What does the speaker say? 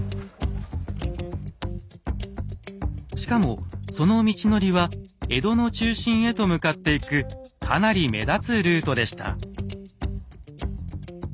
しかもその道のりは江戸の中心へと向かっていくかなり目立つルートでした。